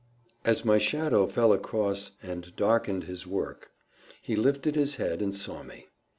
As my shadow fell across and darkened his work, he lifted his head and saw me.